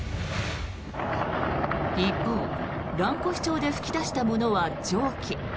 一方、蘭越町で噴き出したものは蒸気。